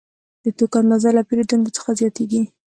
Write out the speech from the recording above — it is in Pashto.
د توکو اندازه له پیرودونکو څخه زیاتېږي